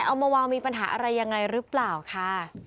เอามาวางมีปัญหาอะไรยังไงหรือเปล่าค่ะ